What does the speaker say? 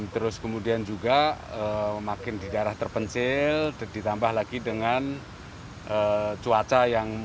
terus kemudian juga makin di daerah terpencil ditambah lagi dengan cuaca yang